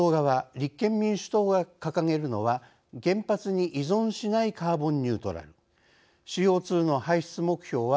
立憲民主党が掲げるのは「原発に依存しないカーボンニュートラル」